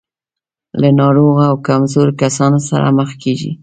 له ناروغو او کمزورو کسانو سره مخ کېږي.